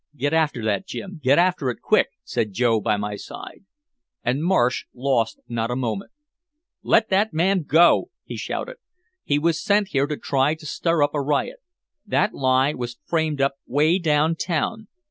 "Get after that, Jim, get after it quick!" said Joe by my side. And Marsh lost not a moment. "Let that man go!" he shouted. "He was sent here to try to stir up a riot. That lie was framed up 'way downtown!